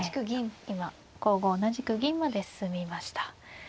今５五同じく銀まで進みました。